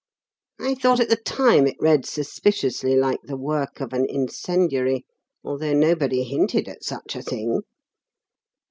I thought at the time it read suspiciously like the work of an incendiary, although nobody hinted at such a thing.